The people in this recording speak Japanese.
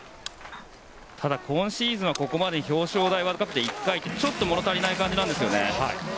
ただ今シーズンはここまで表彰台は１回とちょっと物足りない感じなんですよね。